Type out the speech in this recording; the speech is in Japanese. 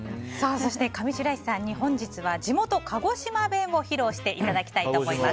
そして、上白石さんに本日は、地元・鹿児島弁を披露していただきたいと思います。